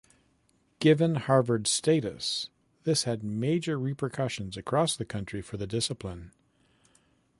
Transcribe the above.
Given Harvard's status, this had major repercussions across the country for the discipline.